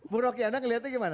bu roky anda melihatnya bagaimana